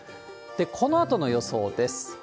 このあとの予想です。